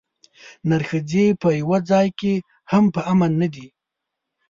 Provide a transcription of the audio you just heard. نرښځي په یوه ځای کې هم په امن نه دي.